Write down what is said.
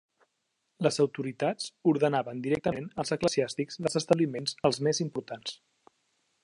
Les autoritats ordenaven directament els eclesiàstics dels establiments els més importants.